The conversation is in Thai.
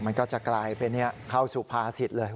มันก็จะกลายเป็นเข้าสู่ภาษิตเลย